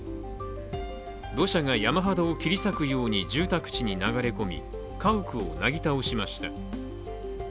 土砂が山肌を切り裂くように住宅地に流れ込み、家屋をなぎ倒しました。